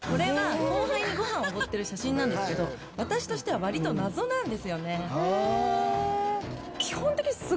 後輩にご飯おごってる写真なんですけど私としては割と謎なんですよね。